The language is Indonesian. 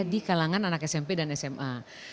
di kalangan anak smp dan sma